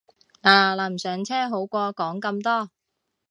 嗱嗱臨上車好過講咁多